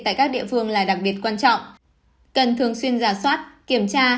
tại các địa phương là đặc biệt quan trọng cần thường xuyên giả soát kiểm tra